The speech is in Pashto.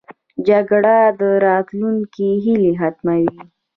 جګړه د راتلونکې هیله ختموي